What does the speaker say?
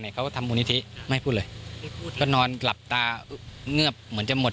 เขาทำมูลนิธิไม่พูดเลยก็นอนหลับตาเงือบเหมือนจะหมด